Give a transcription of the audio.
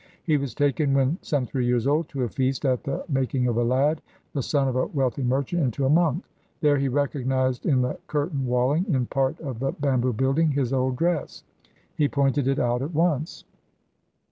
He was taken when some three years old to a feast at the making of a lad, the son of a wealthy merchant, into a monk. There he recognised in the curtain walling in part of the bamboo building his old dress. He pointed it out at once.